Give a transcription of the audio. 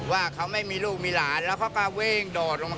ว่าเขาไม่มีลูกมีหลานแล้วเขาก็วิ่งโดดลงมา